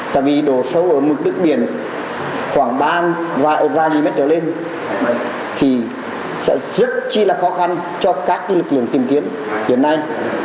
tại vì độ sâu ở mực đất biển khoảng ba vài vài nghìn mét trở lên thì sẽ rất chi là khó khăn cho các lực lượng tìm kiếm hiện nay